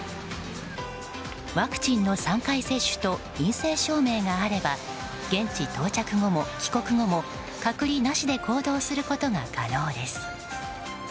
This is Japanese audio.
ワクチンの３回接種と陰性証明があれば現地到着後も帰国後も隔離なしで行動することが可能です。